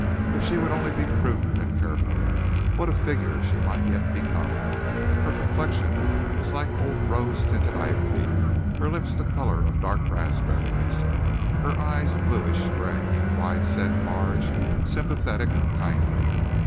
If she would only be prudent and careful, what a figure she might yet become! Her complexion was like old rose tinted ivory, her lips the color of dark raspberries, her eyes bluish grey, wide set, large, sympathetic, kindly.